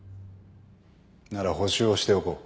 なら補習をしておこう。